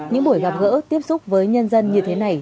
những buổi gặp gỡ tiếp xúc với nhân dân như thế này